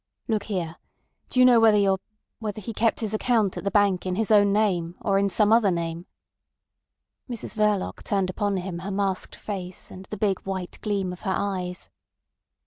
"Look here! Do you know whether your—whether he kept his account at the bank in his own name or in some other name." Mrs Verloc turned upon him her masked face and the big white gleam of her eyes.